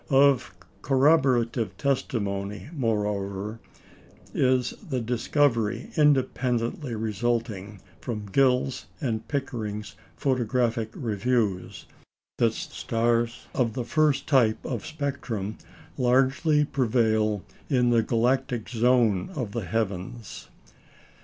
Of corroborative testimony, moreover, is the discovery independently resulting from Gill's and Pickering's photographic reviews, that stars of the first type of spectrum largely prevail in the galactic zone of the heavens.